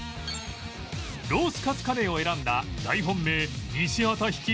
ロースカツカレーを選んだ大本命西畑率いる